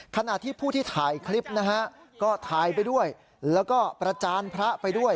ขณะที่ผู้ที่ถ่ายคลิปนะฮะก็ถ่ายไปด้วยแล้วก็ประจานพระไปด้วย